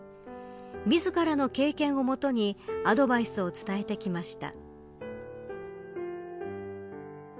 自らの経験をもとにアドバイスを伝えてきました。